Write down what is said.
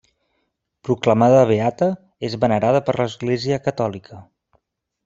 Proclamada beata, és venerada per l'Església catòlica.